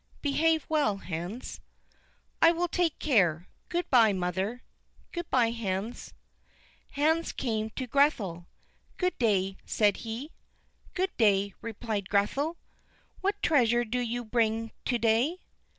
"Behave well, Hans." "I will take care; good by, mother." "Good by, Hans." Hans came to Grethel. "Good day," said he. "Good day," replied Grethel, "what treasure do you bring to day?"